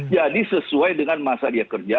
jadi sesuai dengan masa dia kerja